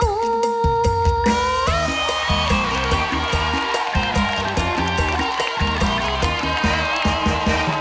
โดนอุ้ม